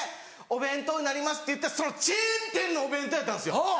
お弁当になります」って言ってそのチェーン店のお弁当やったんですよ。